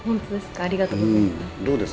ありがとうございます。